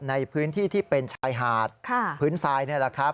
ในพื้นที่ที่เป็นชายหาดพื้นทรายนี่แหละครับ